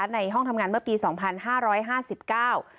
ในห้องทำงานเมื่อปีสองพันห้าร้อยห้าสิบเก้า